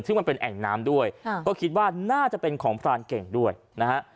ซึ่งมันเป็นแอ่งน้ำด้วยก็คิดว่าน่าจะเป็นของพรานเก่งด้วยนะฮะ